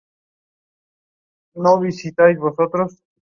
De los equipos sucesores, Croacia ha sido el más exitoso a la fecha.